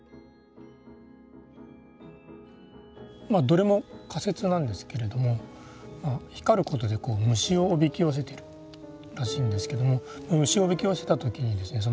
どれも仮説なんですけれども光ることで虫をおびき寄せてるらしいんですけども虫をおびき寄せた時にですね